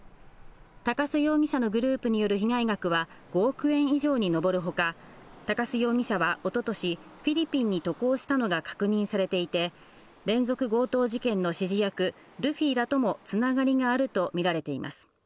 鷹巣容疑者のグループによる被害額は５億円以上に上るほか、鷹巣容疑者はおととし、フィリピンに渡航したのが確認されていて、連続強盗事件の指示役、ルフィらともつながりがあると見られています。